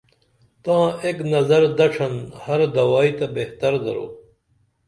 تاں ایک نظر دڇھن ہر دوائی تہ بہتر درو